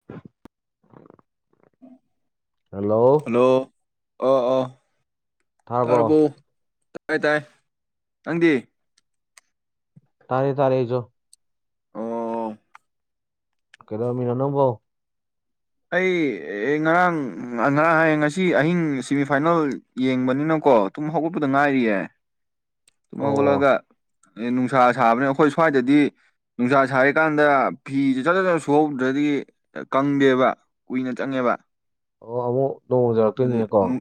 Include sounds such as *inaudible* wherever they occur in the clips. *inaudible* hello hello ꯑꯣ ꯑꯣ ꯊꯥꯔꯕꯣ ꯇꯥꯔꯕꯣ ꯇꯥꯏ ꯇꯥꯏ ꯅꯪꯗꯤ ꯇꯥꯔꯦ ꯇꯥꯔꯦ ꯑꯩꯖꯨ ꯑꯣ ꯀꯩꯗꯧꯔꯝꯃꯤꯅꯣ ꯅꯪꯕꯣ ꯑꯩ ꯉꯔꯥꯡ ꯉꯔꯥꯡ *unintelligible* ꯉꯁꯤ ꯑꯍꯤꯡ ꯁꯦꯃꯤꯐꯥꯏꯅꯦꯜ ꯌꯦꯡꯕꯅꯤꯅꯀꯣ ꯇꯨꯝ ꯍꯧꯒꯠꯄꯗ ꯉꯥꯏꯔꯤꯌꯦ ꯑꯣ ꯇꯨꯝꯍꯧꯒꯠꯂꯒ ꯑꯦ ꯅꯨꯡꯁꯥ ꯁꯥꯕꯅꯦ ꯑꯩꯈꯣꯏ ꯁ꯭ꯋꯥꯏꯗꯗꯤ ꯅꯨꯡꯁꯥ ꯁꯥꯔꯤꯀꯥꯟꯗ ꯐꯤꯁꯦ ꯆꯠ ꯆꯠ ꯆꯠ ꯁꯨꯍꯧꯗ꯭ꯔꯗꯤ ꯀꯪꯗꯦꯕ ꯀꯨꯏꯅ ꯆꯪꯉꯦꯕ ꯑꯣ ꯑꯃꯨꯛ ꯅꯣꯡ ꯑꯗꯨ ꯎꯖꯔꯛꯇꯣꯏꯅꯤꯅꯀꯣ ꯅꯨꯡ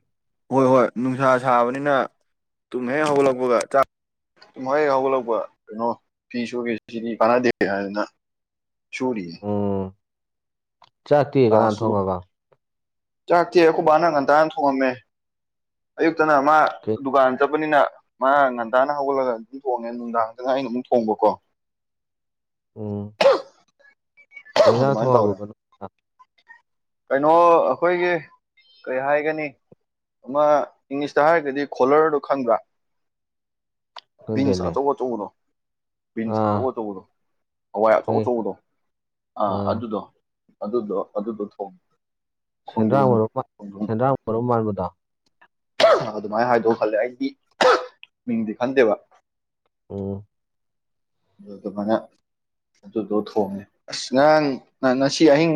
ꯍꯣꯏ ꯍꯣꯏ ꯅꯨꯡꯁꯥ ꯁꯥꯕꯅꯤꯅ ꯇꯨꯝ ꯍꯦꯛ ꯍꯧꯒꯠꯂꯛꯄꯒ ꯆꯥꯛ ꯇꯨꯝ ꯍꯦꯛ ꯍꯧꯒꯠꯂꯛꯄ ꯀꯩꯅꯣ ꯐꯤ ꯁꯨꯒꯦ ꯁꯤꯗꯤ ꯀꯥꯟꯅꯗꯦ ꯍꯥꯏꯗꯅ ꯁꯨꯔꯤ ꯎꯝ ꯆꯥꯛꯇꯤ ꯀꯅꯥꯅ ꯑꯥꯁꯨ ꯊꯣꯡꯉꯕ ꯆꯥꯛꯇꯤ ꯑꯩꯈꯣꯏ ꯕꯥꯅ ꯉꯟꯇꯥꯅ ꯊꯣꯡꯉꯝꯃꯦ ꯑꯌꯨꯛꯇꯅ ꯃꯥ ꯀꯩ ꯗꯨꯀꯥꯟ ꯆꯠꯄꯅꯤꯅ ꯃꯥ ꯉꯟꯇꯥꯅ ꯍꯧꯒꯠꯂꯒ ꯑꯗꯨꯝ ꯊꯣꯡꯉꯦ ꯅꯨꯡꯗꯥꯡꯗ ꯑꯩꯅ ꯑꯃꯨꯛ ꯊꯣꯡꯕꯀꯣ ꯎꯝ ꯀ ꯌꯥ ꯑꯗꯨꯃꯥꯏꯅ ꯇꯧꯔꯦ ꯊꯋꯥꯕꯒꯩꯅꯣ ꯀꯩꯅꯣ ꯑꯩꯈꯣꯏꯒꯤ ꯀꯩ ꯍꯥꯏꯒꯅꯤ ꯑꯃ ꯏꯪꯂꯤꯁꯇ ꯍꯥꯏꯔꯒꯗꯤ ꯈꯣꯂꯔꯗꯨꯣ ꯈꯪꯕ꯭ꯔꯥ *inaudible* ꯕꯤꯟꯁ ꯑꯆꯧ ꯑꯆꯧꯕꯗꯣ ꯕꯤꯟꯁ ꯑꯥ ꯑꯆꯧ ꯑꯆꯧꯕꯗꯣ ꯍꯋꯥꯏ ꯑꯆꯧ ꯈꯪꯉꯦ ꯑꯆꯧꯕꯗꯣ ꯑꯥ ꯑꯗꯨꯗꯣ ꯑꯗꯨꯗꯣ ꯑꯗꯨꯗꯨ ꯁꯦꯟꯗ꯭ꯔꯥꯡ ꯃꯔꯨꯞ ꯈꯣꯡꯗ꯭ꯔꯨꯝ ꯁꯦꯟꯗ꯭ꯔꯥꯡ ꯃꯔꯨꯞ ꯃꯥꯟꯕꯗꯣ ꯑꯗꯨꯃꯥꯏꯅ ꯍꯥꯏꯗꯧ ꯈꯜꯂꯦ ꯑꯩꯗꯤ ꯃꯤꯡꯗꯤ ꯈꯟꯗꯦꯕ ꯑꯣ ꯑꯗꯨꯗꯨꯃꯥꯏꯅ ꯑꯗꯨꯗꯣ ꯊꯣꯡꯉꯦ ꯑꯁ ꯉꯔꯥꯡ ꯉꯁꯤ ꯑꯍꯤꯡ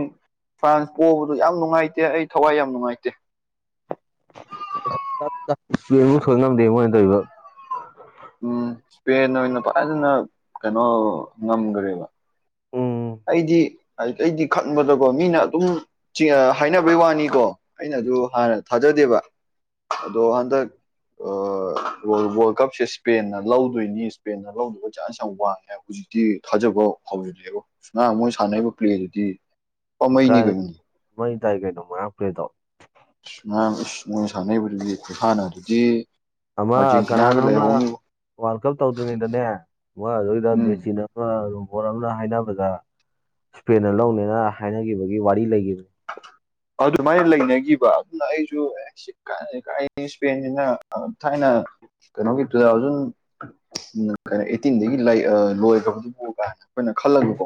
ꯐ꯭ꯔꯥꯟꯁ ꯄꯣꯛꯕꯗꯨ ꯌꯥꯝ ꯅꯨꯡꯉꯥꯏꯇꯦ ꯑꯩ ꯊꯋꯥꯏ ꯌꯥꯝ ꯅꯨꯡꯉꯥꯏꯇꯦ ꯁꯣꯏ ꯉꯝꯗꯦ ꯃꯣꯏꯅ ꯇꯧꯔꯤꯕ ꯎꯝ ꯏꯁꯄꯦꯟ ꯑꯣꯏꯅ ꯐꯖꯅ ꯀꯩꯅꯣ ꯉꯝꯈ꯭ꯔꯦꯕ ꯎꯝ ꯑꯩꯗꯤ ꯑꯗꯨ ꯑꯩꯗꯤ ꯈꯟꯕꯗꯀꯣ ꯃꯤꯅ ꯑꯗꯨꯝ ꯍꯥꯏꯅꯕꯩ ꯋꯥꯅꯤꯀꯣ ꯑꯩꯅꯁꯨ ꯍꯥꯟꯅ ꯊꯥꯖꯗꯦꯕ ꯑꯗꯣ ꯍꯟꯗꯛ ꯋꯥꯔꯜ ꯀꯞꯁꯦ ꯏꯁꯄꯦꯟꯅ ꯂꯧꯗꯣꯏꯅꯤ ꯏꯁꯄꯦꯟꯅ ꯂꯧꯗꯧꯕ ꯆꯥꯟꯁ ꯌꯥꯝ ꯋꯥꯡꯉꯦꯕ ꯍꯧꯖꯤꯛꯇꯤ ꯊꯥꯖꯕ ꯍꯧꯥꯎꯖꯤꯂꯛꯑꯦꯕ ꯁꯨꯃ ꯃꯣꯏ ꯁꯥꯟꯅꯔꯤꯕ ꯄ꯭ꯂꯦꯗꯨꯗꯤ ꯄꯄꯥꯥꯝꯕꯩꯅꯤ ꯀꯩꯅꯣꯅꯤ ꯃꯣꯏ ꯇꯥꯏ ꯀꯩꯗ ꯃ ꯍꯥ ꯇꯣ ꯃꯥꯅ ꯏꯁ ꯃꯣꯏꯅ ꯁꯥꯟꯅꯩꯔꯤꯕꯗꯨꯗꯤ ꯈꯨꯁꯥꯟꯅ ꯑꯗꯨꯗꯤ ꯑꯃ ꯀꯅꯥꯅꯣꯝꯅ ꯋꯥꯔꯜ ꯀꯞ ꯇꯧꯗ꯭ꯔꯤꯉꯩꯗꯅꯦ ꯑꯃ ꯑꯗꯨꯏꯗ ꯎꯝ ꯃꯦꯁꯤꯅ ꯔꯣꯕꯣꯠ ꯑꯃꯅ ꯍꯥꯏꯅꯕꯗ ꯏꯁꯄꯦꯟꯅ ꯂꯧꯅꯦꯅ ꯍꯥꯏꯅꯈꯤꯕꯒꯤ ꯋꯥꯔꯤ ꯂꯩꯈꯤꯕꯅꯤ ꯑꯗꯨꯃꯥꯏꯅ ꯂꯩꯅꯈꯤꯕ ꯑꯗꯨꯅ ꯑꯩꯁꯨ ꯏꯁꯄꯦꯟꯁꯤꯅ ꯊꯥꯏꯅ ꯀꯩꯅꯣꯒꯤ ꯇꯨ ꯊꯥꯎꯖꯟ ꯎ ꯀꯩꯅꯣ ꯑꯩꯠꯇꯤꯟꯗꯒꯤ ꯂꯣꯏꯈ꯭ꯔꯕꯗꯨꯕꯨ ꯀꯥꯏꯅ ꯑꯩꯈꯣꯏꯅ ꯈꯜꯂꯒꯀꯣ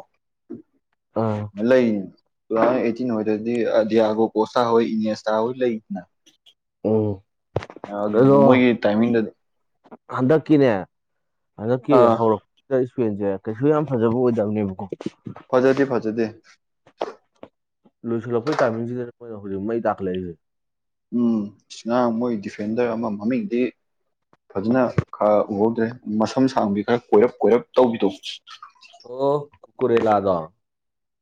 ꯑ ꯂꯩꯔꯤꯅꯤ ꯇꯨ ꯊꯥꯎꯖꯟ ꯑꯩꯠꯇꯤꯟ ꯍꯣꯏꯗꯗꯤ ꯗꯤꯌꯥꯒꯣ ꯀꯣꯁꯇꯥ ꯍꯣꯏ ꯏꯅꯦꯁꯇꯥ ꯍꯣꯏ ꯂꯩꯗꯅ ꯑꯣ ꯃꯣꯏꯒꯤ ꯇꯥꯏꯃꯤꯡꯗꯗꯤ ꯍꯟꯗꯛꯀꯤꯅꯦ ꯍꯟꯗꯛꯀꯤ ꯑꯥ ꯍꯧꯔꯛ ꯏꯁꯄꯦꯟꯁꯦ ꯀꯩꯁꯨ ꯌꯥꯝ ꯐꯖꯕ ꯑꯣꯏꯗꯕꯅꯦꯕꯀꯣ ꯐꯖꯗꯦ ꯐꯖꯗꯦ ꯂꯣꯏꯁꯤꯜꯂꯛꯄꯩ ꯇꯥꯏꯃꯤꯡꯁꯤꯗꯅꯈꯣꯏꯅ ꯍꯧꯖꯤꯛ ꯃ ꯇꯥꯛꯠꯂꯛꯏꯁꯦ ꯎꯝ ꯉꯔꯥꯡ ꯃꯣꯏ ꯗꯤꯐꯦꯟꯗꯔ ꯑꯃ ꯃꯃꯤꯡꯗꯤ ꯐꯖꯅ ꯈꯔ ꯎꯍꯧꯗ꯭ꯔꯦ ꯃꯁꯝ ꯁꯥꯡꯕꯗꯤ ꯈꯔ ꯀꯣꯏꯔꯞ ꯀꯣꯏꯔꯞ ꯇꯧꯕꯤꯗꯣ ꯑꯣ ꯀꯨꯀꯨꯔꯦꯂꯥꯗꯣ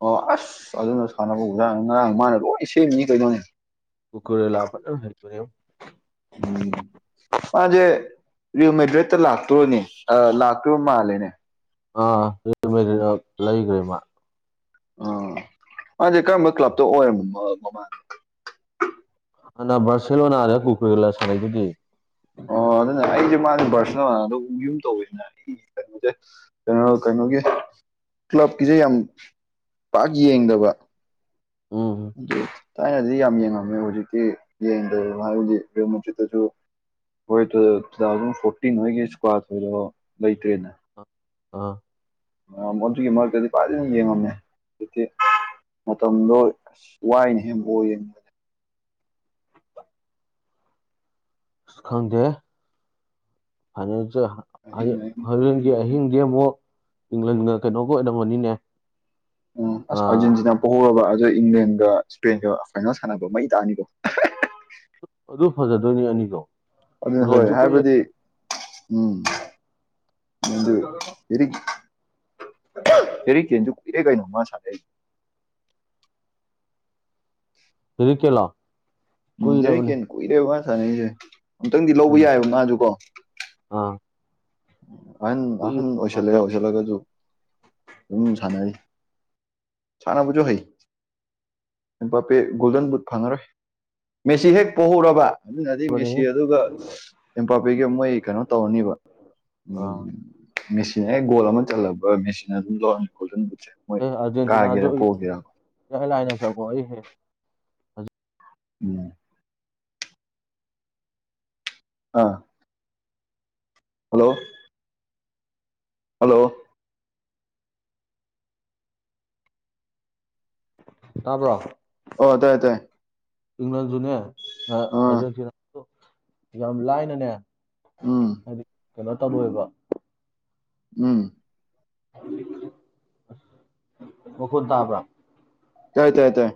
ꯑꯣ ꯑꯁ ꯑꯗꯨꯅ ꯁꯥꯟꯅꯕ ꯉꯔꯥꯡ ꯃꯥꯅ ꯂꯣꯏ ꯁꯦꯝꯃꯤꯅꯤ ꯀꯩꯩꯅꯧꯅꯦ ꯀꯨꯀꯨꯔꯦꯂꯥ ꯐꯖꯅ ꯅꯩꯒꯔꯦ ꯎꯝ ꯃꯥꯁꯦ ꯔꯦꯜ ꯃꯦꯗ꯭ꯔꯤꯠꯇ ꯂꯥꯛꯇꯣꯏꯅꯦ ꯂꯥꯛꯇꯣꯏꯔꯤꯕ ꯃꯥꯜꯂꯦꯅꯦ ꯑꯥ ꯔꯦꯜ ꯃꯦꯗꯔꯤꯗꯅ ꯂꯩꯈ꯭ꯔꯦ ꯃꯥ ꯑ ꯃꯥꯥꯟꯁꯦ ꯀꯔꯝꯕ ꯀ꯭ꯂꯞꯇ ꯑꯣꯏꯔꯣ ꯃꯃꯥꯡ ꯍꯥꯟꯅ ꯕꯥꯔꯁꯦꯂꯣ ꯅꯥꯗ ꯀꯨꯀꯨꯔꯦꯂꯥ ꯁꯥꯟꯅꯩꯗꯨꯗꯤ ꯑꯣ ꯑꯗꯨꯅ ꯑꯩꯁꯦ ꯃꯥꯁꯦ ꯄꯥꯔꯁꯣꯅꯦꯜꯗ ꯌꯨꯝ ꯇꯧꯋꯤꯁꯤꯅ ꯑꯩꯒꯤ ꯀꯩꯅꯣꯁꯦ ꯀꯩꯅꯣ ꯀꯩꯅꯣꯒꯤ ꯀ꯭ꯂꯕꯀꯤꯁꯦ ꯌꯥꯝ ꯄꯥꯛ ꯌꯦꯡꯗꯕ ꯎꯝ ꯑꯗꯨ ꯊꯥꯏꯅꯗꯤ ꯌꯥꯝ ꯌꯦꯡꯉꯝꯃꯦ ꯍꯧꯖꯤꯛꯇꯤ ꯌꯦꯡꯗꯔꯤꯕ ꯍꯥꯏꯕꯗꯤ ꯁꯤꯠꯇꯁꯨ ꯍꯣꯏ ꯇꯨ ꯊꯥꯎꯖꯟ ꯐꯣꯔꯇꯤꯟ ꯍꯣꯏꯒꯤ ꯏꯁꯀ꯭ꯋꯥꯠ ꯊꯣꯏꯗꯣ ꯂꯩꯇ꯭ꯔꯦꯅꯦ ꯑ ꯑ ꯑꯗꯨꯒꯤ ꯃꯔꯛꯇꯗꯤ ꯐꯖꯅ ꯌꯦꯡꯉꯝꯃꯦ ꯍꯧꯖꯤꯛꯇꯤ ꯃꯇꯝꯗꯣ ꯋꯥꯏꯅꯦ ꯍꯦ ꯕꯣꯜ ꯌꯦꯡ ꯈꯪꯗꯦ ꯐꯥꯏꯅꯦꯜꯁꯦ ꯑꯍꯤꯡ ꯍꯌꯦ ꯑꯍꯤꯡ ꯑꯍꯤꯡꯗꯤ ꯑꯃꯨꯛ ꯏꯪꯂꯟꯒ ꯀꯩꯅꯣꯒ ꯑꯣꯏꯔꯝꯃꯅꯤꯅꯦ ꯎꯝ ꯑꯁ ꯑꯥꯔꯖꯦꯟꯇꯤꯅꯥ ꯄꯣꯍꯧꯔꯕ ꯑꯗ ꯏꯪꯂꯦꯟꯒ ꯏꯁꯄꯦꯟꯒ ꯐꯥꯏꯅꯦꯜ ꯁꯥꯟꯅꯕ ꯃꯩ ꯇꯥꯅꯤꯀꯣ ꯑꯗꯨ ꯐꯖꯗꯣꯏꯅꯦ ꯑꯅꯤ ꯀꯣ ꯑꯗꯨꯅ ꯍꯣꯏ ꯍꯥꯏꯕꯗꯤ ꯎꯝ ꯐꯦꯔꯤ ꯀ‌ꯦꯜꯖꯨ ꯀꯨꯏꯔꯦꯀꯩꯅ‌ꯣ ꯃꯅ ꯁꯥꯟꯅꯩꯖ‌ꯦ ꯍꯦꯔꯤ ꯀꯦꯜꯂꯣ ꯍꯦꯔꯤ ꯀꯦꯟ ꯀꯨꯏꯔꯦꯕ ꯃꯥ ꯁꯥꯟꯅꯔꯤꯁꯦ ꯑꯃꯨꯛꯇꯪꯗꯤ ꯂꯧꯕ ꯎꯝ ꯌꯥꯏꯕ ꯃꯥꯁꯨ ꯀꯣ ꯑꯥ ꯑꯍꯟ ꯑꯍꯟ ꯑꯣꯏꯁꯜꯂꯦ ꯀꯨꯏꯔꯕꯅꯦꯍꯦ ꯑꯣꯏꯁꯜꯂꯒꯁꯨ ꯑꯗꯨꯝ ꯁꯥꯟꯅꯔꯤ ꯁꯥꯟꯅꯕꯁꯨ ꯍꯩ ꯑꯝꯕꯞꯄ‌ꯦ ꯒꯣꯜꯗꯟ ꯕꯨꯠ ꯐꯪꯉꯔꯣꯏ ꯃꯦꯁꯤ ꯍꯦꯛ ꯄꯣꯛꯍꯧꯔꯕ ꯃꯤꯅꯗꯤ ꯃꯦꯁꯤ ꯑꯗꯨꯒ ꯑꯝ ꯕꯥ ꯄꯦ ꯃꯣꯏ ꯀꯩꯅꯣ ꯇꯧꯔꯅꯤꯕ ꯑꯥ ꯎꯝ ꯃꯦꯁꯤꯅ ꯍ‌ꯦꯛ ꯒꯣꯜ ꯑꯃ ꯆꯜꯂꯕ꯭ꯔ ꯃꯦꯁꯤꯅ ꯑꯗꯨꯝ ꯂꯧꯔꯅꯤ ꯒꯧꯜꯗꯟ ꯕꯨꯠꯁ‌ꯦ ꯑꯦ ꯑꯥꯔꯖꯦꯟꯇꯤꯅꯥꯁꯨ ꯏ ꯂꯥꯏꯅ ꯆꯄꯣ ꯑꯩꯍꯦ ꯎꯝ ꯑꯥ ꯍꯜꯂꯣ ꯍꯜꯂꯣ ꯇꯥꯕ꯭ꯔꯣ ꯑꯣ ꯇꯥꯏꯌꯦ ꯇꯥꯏꯌꯦ ꯏꯪꯂꯥꯟꯁꯨꯅꯦ ꯑꯥ ꯑꯥꯔꯖꯦꯟꯇꯤꯅꯥ ꯌꯥꯝ ꯂꯥꯏꯅꯅꯦ ꯎꯝ ꯍꯥꯏꯗꯤ ꯀꯩꯅꯣ ꯇꯧꯔꯣꯏꯕ ꯎꯝ ꯑꯁ ꯃꯈꯣꯜ ꯇꯥꯕ꯭ꯔꯥ ꯇꯥꯏ ꯇꯥꯏ ꯇꯥꯏ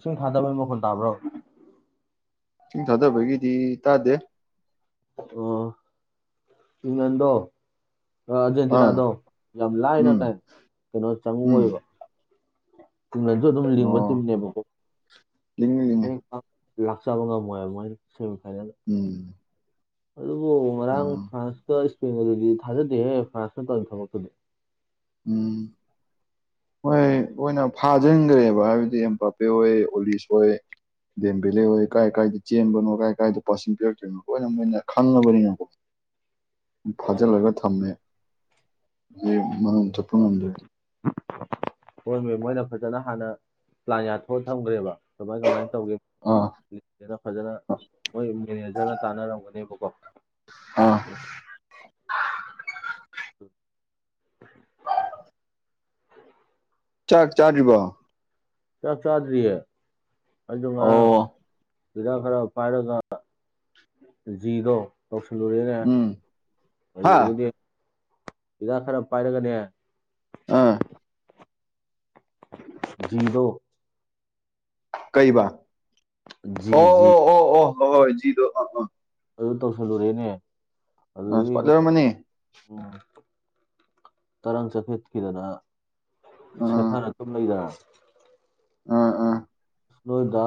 ꯏꯁꯤꯡ ꯊꯥꯗꯕꯩ ꯃꯈꯣꯜ ꯇꯥꯕ꯭ꯔꯣ ꯏꯁꯤꯡ ꯊꯥꯗꯕꯒꯤꯗꯤ ꯇꯥꯗꯦ ꯑꯣ ꯏꯪꯂꯟꯗ‌ꯣ ꯑꯥ ꯑꯥꯔꯖꯦꯟꯇꯤꯅꯥꯗꯣ ꯌꯥꯝ ꯂꯥꯏꯅ ꯎꯝ ꯂꯥꯏ ꯀꯩꯅꯣ ꯎꯝ ꯆꯪꯉꯑꯣꯏꯕ ꯇꯅꯁꯨ ꯑꯗꯨꯝ ꯂꯤꯡꯕ ꯑꯣ ꯇꯤꯝꯅꯦꯕꯀꯣ ꯂꯤꯡꯉꯤ ꯂꯤꯡꯉꯤ ꯍ ꯂꯥꯛꯆꯕ ꯉꯝꯃꯣꯏ ꯁꯦꯃꯤ ꯐꯥꯏꯅꯦꯜ ꯎꯝ ꯑꯗꯨꯕꯨ ꯉꯔꯥꯡ ꯎꯝ ꯐ꯭ꯔꯥꯟꯁꯀ ꯏꯁꯄꯦꯟꯒꯗꯨꯗꯤ ꯊꯥꯖꯗꯦꯍꯦ ꯐ꯭ꯔꯥꯟꯁꯀ ꯇꯧꯔꯤ ꯊꯕꯛꯇꯨꯗꯤ ꯎꯝ ꯍꯣꯏꯣꯏꯅ ꯐꯥꯖꯤꯟꯈ꯭ꯔꯦꯕ ꯍꯥꯏꯕꯗꯤ ꯑꯦꯝ ꯄꯄꯦ ꯍ‌ꯣꯏ ꯑꯣꯂꯤꯁ ꯍ‌ꯣꯏ ꯗꯦꯝ ꯚꯦꯂꯦ ꯑꯣꯏ ꯀꯥꯏ ꯀꯥꯏꯗ ꯆꯦꯟꯕꯅꯣ ꯀꯥꯏ ꯀꯥꯏꯗ ꯄꯥꯁꯤꯡ ꯄꯤꯔꯛꯇꯣꯏꯅꯣ ꯂꯣꯏꯅ ꯃꯣꯏꯅ ꯈꯪꯉꯕꯅꯤꯅ *inaudible* ꯐꯥꯖꯤꯜꯂꯒ ꯊꯝꯃꯦ ꯑꯗꯨ ꯃꯔꯝ ꯆꯠꯄ ꯉꯝꯗ꯭ꯔꯦ ꯃꯣꯏꯅ ꯐꯖꯅ ꯍꯥꯟꯅ ꯄ꯭ꯂꯥꯟ ꯌꯥꯊꯣꯛꯑ ꯊꯝꯈ꯭ꯔꯦꯕ ꯀꯃꯥꯏ ꯀꯃꯥꯏ ꯇꯧꯒꯦ ꯑꯥ ꯅꯠꯇ꯭ꯔꯒ ꯃꯣꯏ ꯃꯦꯅꯦꯖꯔꯅ ꯇꯥꯟꯅꯔꯝꯒꯅꯦꯕꯀꯣ ꯑꯥ *unintelligible* ꯆꯥꯛ ꯆꯥꯗ꯭ꯔꯤꯕꯣ ꯆꯥꯛ ꯆꯥꯗꯔꯤꯌꯦ ꯑꯩꯗꯣ ꯉꯔꯥꯡ ꯑꯣ ꯄꯤꯗ ꯈꯔ ꯄꯥꯏꯔꯒ ꯖꯤꯖꯤꯔꯣ ꯀꯧꯁꯜꯂꯨꯔꯦꯅꯦ ꯎꯝ ꯍꯥ ꯑꯗꯨꯗꯒꯤꯗꯤ ꯍꯤꯗꯥꯛ ꯈꯔ ꯄꯥꯏꯔꯒꯅꯦ ꯑꯥ ꯗꯣ ꯀꯩꯕꯥ ꯖꯤ ꯖꯤ ꯍꯣ ꯍꯣꯏ ꯖꯤꯗꯣ ꯑ ꯑ ꯑꯗꯨ ꯇꯧꯁꯜꯂꯨꯔꯦꯅꯦ ꯎꯝ ꯑꯗꯨꯗꯒꯤ ꯂꯩꯔꯝꯃꯅꯤ ꯎꯝ ꯇꯔꯪ ꯆꯠꯈꯠꯈꯤꯗꯅ ꯑꯥ ꯁꯦꯊ ꯅꯇꯨꯝꯕꯩꯔ ꯑꯥ ꯑꯥ ꯅꯣꯏꯗ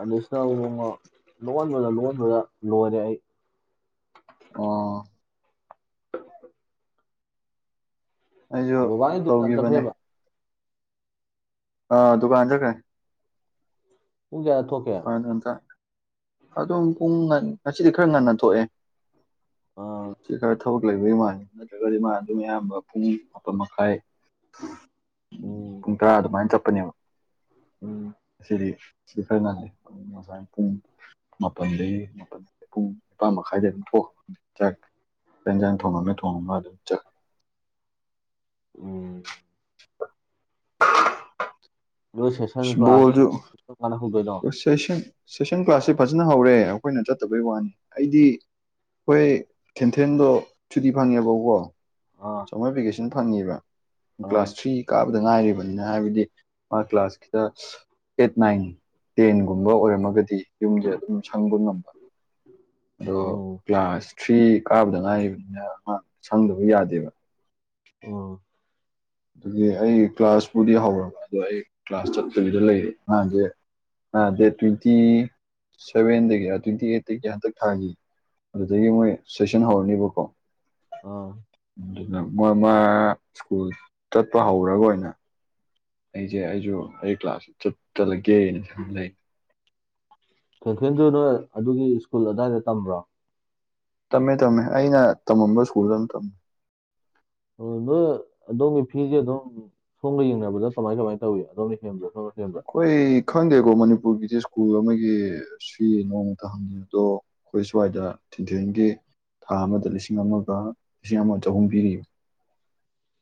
ꯑꯗꯩꯁꯅ ꯂꯣꯛꯣꯟꯕꯗ ꯂꯣꯛꯣꯟꯕꯗ ꯂꯣꯏꯔꯦ ꯑꯩ ꯑꯣ ꯑꯩꯁꯨ ꯕꯕꯥꯒꯤ ꯗꯨꯀꯥꯟ ꯇꯧꯈꯤꯕꯅꯦ ꯆꯠꯈ꯭ꯔꯦꯕ ꯑ ꯗꯨꯀꯥꯟ ꯆꯈ꯭ꯔꯦ ꯄꯨꯡ ꯀꯌ꯭ꯥꯗ ꯊꯣꯛꯀꯦ *unintelligible* ꯑꯗꯨꯝ ꯄꯨꯡ ꯉꯁꯤꯗꯤ ꯈꯔ ꯉꯟꯅ ꯊꯣꯛꯑꯦ ꯑꯥ, ꯁꯤ ꯈꯔ ꯊꯕꯛ ꯂꯩꯕꯒꯤ ꯃꯥꯜꯂꯦ ꯅꯠꯇ꯭ꯔꯒꯗꯤ ꯃꯥ ꯑꯗꯨꯝ ꯑꯌꯥꯝꯕ ꯄꯨꯡ ꯃꯥꯄꯟ ꯃꯈꯥꯏ ꯎꯝ ꯄꯨꯡ ꯇꯔꯥ ꯑꯗꯨꯃꯥꯏꯅ ꯆꯠꯄꯅꯦꯕ ꯎꯝ ꯉꯁꯤꯗꯤ ꯁꯤꯗ ꯈꯔ ꯉꯜꯂꯤ ꯉꯁꯥꯏ ꯄꯨꯡ ꯃꯥꯄꯜꯗꯒꯤ ꯃꯥꯄꯟ ꯄꯨꯡ ꯏꯄꯥꯥꯟ ꯃꯈꯥꯏꯗ ꯑꯗꯨꯝ ꯊꯈ ꯆꯖ ꯊꯣꯡꯝꯃꯦ ꯊꯣꯡꯉꯝ ꯑꯗꯨꯝ ꯎꯝ ꯅꯣꯏ ꯁꯦꯁꯟ ꯑꯁ ꯀꯂ꯭ꯥꯁ ꯕꯣꯜꯁꯨ ꯀꯔꯝꯀꯟꯗ ꯍꯧꯗꯣꯏꯅꯣ ꯁꯦꯁꯟ ꯁꯦꯁꯟ ꯀ꯭ꯂꯥꯁꯁꯦ ꯐꯖꯅ ꯍꯧꯔꯦ ꯑꯩꯈꯣꯏꯅ ꯆꯠꯇꯕꯩ ꯋꯥꯅꯤ ꯑꯩꯗꯤ ꯍꯣꯏ ꯈꯦꯟꯊꯦꯟꯗꯣ ꯁꯨꯗꯤ ꯐꯪꯉꯦꯕꯀꯣ ꯑꯥ ꯃꯣꯏ ꯑꯦꯄ꯭ꯂꯤꯀꯦꯁꯟ ꯐꯪꯉꯤꯕ ꯑꯥ ꯀ꯭ꯂꯥꯁ ꯊ꯭ꯔꯤ ꯀꯥ ꯉꯥꯏꯔꯤꯕꯅꯤꯅ ꯍꯥꯏꯕꯗꯤ ꯃꯥ ꯀ꯭ꯂꯥꯁꯀꯤꯗ ꯑꯩꯠ ꯅꯥꯏꯟ ꯇꯦꯟꯒꯨꯝꯕ ꯑꯣꯏꯔꯝꯃꯒꯗꯤ ꯌꯨꯝꯁꯦ ꯑꯗꯨꯝ ꯁꯪꯕ ꯉꯝꯕ ꯑꯗꯣ ꯎꯝ ꯀ꯭ꯂꯥꯁ ꯊ꯭ꯔꯤ ꯀꯥꯕꯗ ꯉꯥꯏꯔꯤꯕꯅꯤꯅ ꯁꯪꯗꯕ ꯌꯥꯗꯦꯕ ꯑꯣ ꯑꯗꯨꯒꯤ ꯑꯩ ꯀ꯭ꯂꯥꯁꯄꯨꯗꯤ ꯍꯧꯔꯕ ꯑꯗꯣ ꯑꯩ ꯀ꯭ꯂꯥꯁ ꯆꯠꯇꯕꯤꯗ ꯂꯩꯌꯦ ꯑꯉꯥꯡꯁꯦ ꯗꯦꯠ ꯇ꯭ꯋꯦꯟꯇꯤ ꯁꯚꯦꯟꯗꯒꯤ ꯇ꯭ꯋꯦꯟꯇꯤ ꯑꯩꯠꯇꯒꯤ ꯍꯟꯗꯛ ꯊꯥꯈꯤ ꯑꯗꯨꯗꯒꯤ ꯃꯣꯏ ꯁꯦꯁꯟ ꯍꯧꯔꯅꯤꯕꯀꯣ ꯑꯥ ꯑꯗꯨꯅ ꯃꯣꯏ ꯃꯥ ꯁ꯭ꯀꯨꯜ ꯆꯠꯄ ꯍꯧꯔꯒ ꯑꯣꯏꯅ ꯑꯩꯁꯦ ꯑꯩꯁꯨ ꯑꯩ ꯀ꯭ꯂꯥꯁ ꯆꯠ ꯆꯠꯂꯒꯦꯅ ꯁꯨꯝ ꯂꯩ ꯁ꯭ꯇꯤꯐꯦꯟꯁꯨ ꯅꯣꯏ ꯑꯗꯨꯒꯤ ꯁ꯭ꯀꯨꯜ ꯑꯗꯨꯋꯥꯏꯗ ꯇꯝꯕ꯭ꯔꯣ ꯇꯝꯃꯦ ꯇꯝꯃꯦ ꯑꯩꯅ ꯇꯝꯃꯝꯕ ꯁ꯭ꯀꯨꯜꯗ ꯑꯗꯨꯝ ꯇꯝꯃꯦ ꯑꯗꯨ ꯑꯗꯣꯝꯒꯤ ꯐꯤꯁꯦ ꯑꯗꯨꯝ ꯁꯣꯒ ꯌꯦꯡꯅꯕꯗ ꯀꯃꯥꯏ ꯀꯃꯥꯏꯅ ꯇꯧꯋꯏ ꯑꯗꯣꯝꯅ ꯍꯦꯟꯕꯗ ꯁꯣꯉ *unintelligible* ꯍꯣꯏ ꯈꯪꯗꯦꯀꯣ ꯃꯅꯤꯄꯨꯔꯒꯤꯗꯤ ꯁ꯭ꯀꯨꯜ ꯑꯃꯒꯤ ꯁꯤ ꯅꯣꯡꯃꯇ ꯍꯝꯅꯤ ꯑꯗꯣ ꯑꯩꯈꯣꯏ ꯁ꯭ꯋꯥꯏꯗ ꯊꯤꯟꯊꯤꯟꯈꯤ ꯊꯥ ꯑꯃꯗ ꯂꯤꯁꯤꯡ ꯑꯃꯒ ꯂꯤꯁꯤꯡ ꯑꯃꯒ ꯆꯍꯨꯝ ꯄꯤꯔꯤ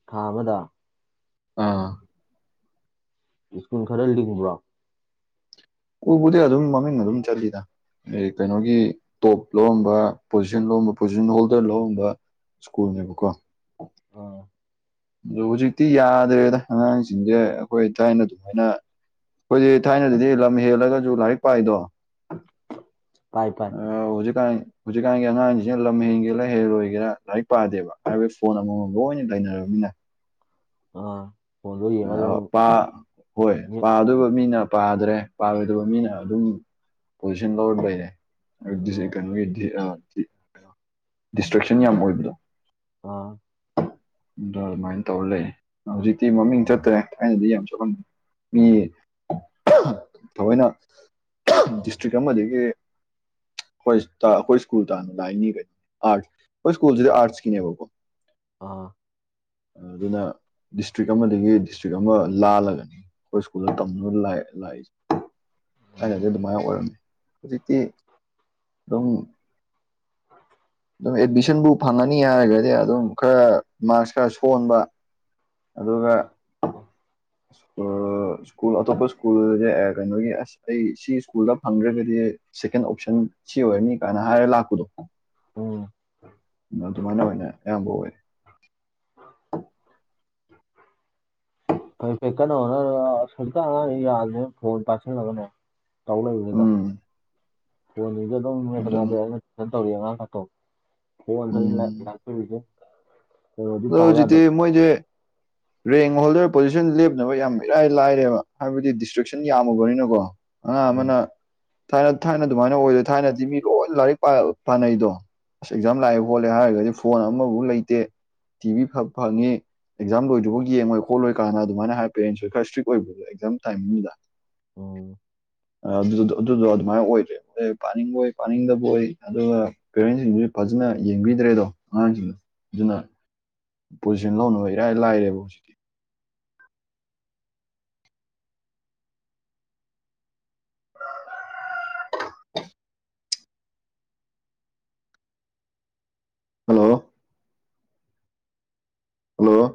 ꯊꯥ ꯑꯃꯗ ꯑꯥ ꯁ꯭ꯀꯨꯜ ꯈꯔ ꯂꯤꯡꯕ꯭ꯔꯣ ꯀꯨꯜꯕꯨꯗꯤ ꯑꯗꯨꯝ ꯃꯃꯤꯡ ꯑꯗꯨꯝ ꯆꯠꯂꯤꯗ ꯀꯩꯅꯣꯒꯤ ꯇꯣꯞ ꯂꯧꯔꯝꯕ ꯄꯣꯖꯤꯁꯟ ꯂꯧꯔꯝꯕ ꯄꯣꯖꯤꯁꯟ ꯍꯣꯜꯗꯔ ꯂꯧꯔꯝꯕ ꯁ꯭ꯀꯨꯜꯅꯦꯕꯀꯣ ꯑꯥ ꯑꯗꯨ ꯍꯧꯖꯤꯛꯇꯤ ꯌꯥꯗ꯭ꯔꯦꯗ ꯑꯉꯥꯡꯁꯤꯡꯁꯦ ꯑꯩꯈꯣꯏ ꯊꯥꯏꯅ ꯑꯗꯨꯃꯥꯏꯅ ꯑꯩꯈꯣꯏꯛ ꯊꯥꯏꯅꯗꯤꯂꯝꯃꯤ ꯍꯦꯜꯂꯒꯁꯨ ꯂꯥꯏꯔꯤꯛ ꯄꯥꯏꯗꯣ ꯄꯥꯏ ꯄꯥꯏ ꯍꯧꯖꯤꯛꯀꯥꯟ ꯍꯧꯖꯤꯛꯀꯥꯟꯒꯤ ꯑꯉꯥꯡꯖꯤꯅ ꯂꯝ ꯍꯦꯟꯒꯦꯔꯥ ꯍꯦꯜꯂꯣꯏꯒꯦꯔꯥ ꯂꯥꯏꯔꯤꯛ ꯄꯥꯗꯦꯕ ꯍꯥꯏꯕꯗꯤ ꯐꯣꯟ ꯑꯃꯝꯃꯝ ꯂꯣꯏꯅ ꯂꯩꯅꯔꯕꯅꯤꯅ ꯑ ꯄꯥ ꯍꯣꯏ ꯃꯦꯠ ꯂꯩꯕꯗꯣ ꯄꯥꯗꯣꯏꯕ ꯃꯤꯅ ꯄꯥꯗ꯭ꯔꯦ ꯄꯥꯔꯣꯏꯗꯕ ꯃꯤꯅ ꯑꯗꯨꯝ ꯄꯣꯖꯤꯁꯟ ꯂꯧꯔ ꯂꯩꯔꯦ ꯑꯥ *unintelligible* ꯀꯩꯅꯣꯒꯤ *unintelligible* ꯗꯤꯁꯇ꯭ꯔꯦꯛꯁꯟ ꯌꯥꯝ ꯑꯣꯏꯕꯗꯣ ꯑꯥ ꯑꯗ ꯑꯗꯨꯃꯥꯏꯟ ꯇꯧꯔ ꯂꯩ ꯍꯧꯖꯤꯛꯇꯤ ꯃꯃꯤꯡ ꯆꯠꯇ꯭ꯔꯦ ꯊꯥꯏꯅꯗꯤ ꯌꯥꯝ ꯆꯠꯂꯝ ꯃꯤ ꯊꯑꯣꯏꯅ ꯗꯤꯁꯇ꯭ꯔꯤꯛ ꯑꯃꯗꯒꯤ ꯍꯣꯏꯁꯇꯥ ꯑꯩꯈꯣꯏ ꯁ꯭ꯀꯨꯜ ꯇꯥꯟꯅ ꯂꯥꯛꯏꯅꯤ ꯀꯩꯅꯣ ꯑꯥꯠ ꯑꯩꯈꯣꯏ ꯁ꯭ꯀꯨꯜꯖꯤꯗ ꯑꯥꯔꯠꯁꯀꯤꯅꯦꯕꯀꯣ ꯑꯥ ꯑꯗꯨꯅ ꯗꯤꯁꯇ꯭ꯔꯤꯛ ꯑꯃꯗꯒꯤ ꯗꯤꯁꯇ꯭ꯔꯤꯛ ꯑꯃ ꯂꯥꯜꯂꯒꯅꯤ ꯑꯩꯈꯣꯏ ꯁꯀꯨꯜꯗ ꯇꯝ ꯂꯥꯏ ꯂꯥꯛꯏꯁꯦ ꯊꯥꯏꯅꯗꯤ ꯑꯗꯨꯃꯥꯏ ꯑꯣꯏꯔꯝꯃꯦ ꯍꯧꯖꯤꯛꯇꯤ ꯗꯨꯝ *inaudible* ꯑꯗꯨꯝ ꯑꯦꯗꯃꯤꯁꯟꯕꯨ ꯐꯪꯉꯅꯤ ꯍꯥꯏꯔꯒꯗꯤ ꯑꯗꯨꯝ ꯈꯔ ꯃꯥꯔꯛꯁ ꯈꯔ ꯁꯣꯟꯕ ꯑꯗꯨꯒ ꯑ ꯁ꯭ꯀꯨꯜ ꯑꯇꯣꯞꯄ ꯁ꯭ꯀꯨꯜꯁ ꯀꯩꯅꯣꯒꯤ ꯑꯁ ꯑꯩ ꯁꯤ ꯁ꯭ꯀꯨꯜꯗ ꯐꯪꯗ꯭ꯔꯒꯗꯤ ꯁꯦꯀꯦꯟ ꯑꯣꯞꯁꯟ ꯁꯤ ꯑꯣꯏꯔꯅꯤ ꯀꯥꯏꯅ ꯍꯥꯏꯔ ꯂꯥꯛꯄꯗꯨ ꯎꯝ ꯑꯗꯨꯃꯥꯏꯅ ꯑꯣꯏꯅ ꯑꯌꯥꯝꯕ ꯑꯣꯏ ꯑꯩ *unintelligible* ꯍꯧꯖꯤꯛꯀꯥꯟ ꯑꯉꯥꯡꯉꯩ ꯌꯥꯗ꯭ꯔꯦ ꯐꯣꯟ ꯄꯥꯏꯁꯤꯜꯂꯒꯅꯦ ꯇꯧ ꯂꯩꯕꯅꯤꯗꯣ ꯎꯝ ꯐꯣꯟꯖꯤꯡꯖꯦ ꯑꯗꯨꯝ *unintelligible* ꯑꯗꯨꯅ ꯐꯖꯅ ꯇꯧꯔꯤ ꯑꯉꯥꯡ ꯀꯥꯇꯣ ꯐꯣꯟ ꯎꯝ *unintelligible* ꯑꯗꯣ ꯍꯧꯖꯤꯛꯇꯤ ꯃꯣꯏꯖꯤ *inaudible* ꯔꯦꯡ ꯍꯣꯜꯗꯔ ꯄꯣꯖꯤꯁꯟ ꯂꯦꯞꯅꯕ ꯌꯥꯝ ꯏꯔꯥꯏ ꯂꯥꯏꯔꯦꯕ ꯍꯥꯏꯕꯗꯤ ꯗꯤꯁꯇ꯭ꯔꯦꯛꯁꯟ ꯌꯥꯝꯃꯕꯅꯤꯅꯀꯣ ꯑꯉꯥꯡ ꯎꯝ ꯑꯃꯅ ꯊꯥꯏꯅ ꯊꯥꯏꯅ ꯑꯗꯨꯃꯥꯏꯅ ꯑꯣꯏꯗ꯭ꯔꯦ ꯊꯥꯏꯅꯗꯤ ꯃꯤ ꯂꯣꯏ ꯂꯥꯏꯔꯤꯛ ꯄꯥ ꯄꯥꯅꯩꯗꯣ ꯑꯁ ꯑꯦꯛꯖꯥꯝ ꯂꯥꯛꯑꯦ ꯈꯣꯠꯂꯦ ꯍꯥꯏꯔꯒꯗꯤ ꯐꯣꯟ ꯑꯃꯕꯧ ꯂꯩꯇꯦ ꯇꯤꯚꯤ ꯐ ꯐꯪꯉꯤ ꯑꯦꯛꯖꯥꯝ ꯂꯣꯏꯗ꯭꯭ꯔꯤꯐꯥꯎ ꯌꯦꯡꯉꯣꯏ ꯈꯣꯠꯂꯣꯏ ꯀꯥꯟꯅ ꯑꯗꯨꯃꯥꯏꯅ ꯍꯥꯏꯕ ꯄꯦꯔꯦꯟꯁꯁꯨ ꯈꯔ ꯏꯁꯇ꯭ꯔꯤꯛ ꯑꯣꯏꯕ ꯑꯦꯛꯖꯥꯝ ꯇꯥꯏꯃꯤꯡꯗꯨꯗ *inaudible* ꯑ ꯑꯗꯨ ꯑꯗꯨꯗꯣ ꯑꯗꯨꯃꯥꯏ ꯑꯣꯏꯗ꯭ꯔꯦ *unintelligible* ꯄꯥꯅꯤꯡꯕꯣꯏ ꯄꯥꯅꯤꯡꯗꯕꯣꯏ ꯑꯗꯨꯒ ꯄꯦꯔꯦꯟꯖꯤꯡꯖꯨ ꯐꯖꯅ ꯌꯦꯡꯕꯤꯗ꯭ꯔꯦꯗꯣ ꯑꯉꯥꯡꯖꯤꯡ ꯑꯗꯨꯅ ꯄꯣꯖꯤꯁꯟ ꯂꯧꯅꯕ ꯏꯔꯥꯏ ꯂꯥꯏꯔꯦꯕ *inaudible* ꯍꯜꯂꯣ ꯍꯜꯂꯣ